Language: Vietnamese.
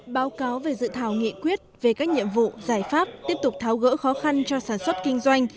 báo cáo về dự thảo nghị quyết về các nhiệm vụ giải pháp tiếp tục tháo gỡ khó khăn cho sản xuất kinh doanh